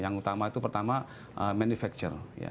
yang utama itu pertama manufacture